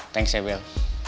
thanks ya bel